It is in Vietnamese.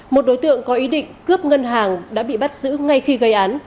một đối tượng có ý định cướp ngân hàng đã bị bắt giữ ngay khi gây án